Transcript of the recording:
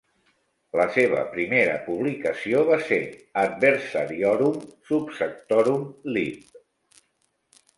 La seva primera publicació va ser Adversariorum subsectorum lib.